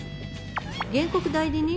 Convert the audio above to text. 原告代理人